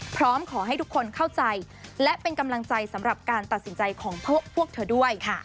พร้อมขอให้ทุกคนเข้าใจและเป็นกำลังใจสำหรับการตัดสินใจของพวกเธอด้วย